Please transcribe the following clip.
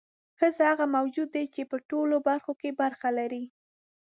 ښځه هغه موجود دی چې په ټولو برخو کې برخه لري.